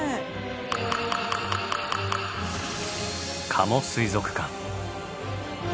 加茂水族館。